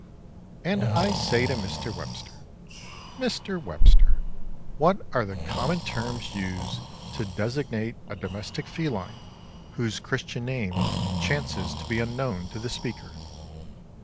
And I say to Mr. Webster, "Mr. Webster, what are the common terms used to designate a domestic feline whose Christian name chances to be unknown to the speaker?"